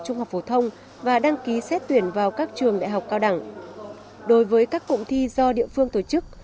trung học phổ thông và đăng ký xét tuyển vào các trường đại học cao đẳng đối với các cụm thi do địa phương tổ chức